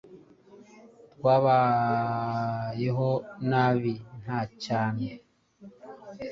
twabayeho nabi nta cyane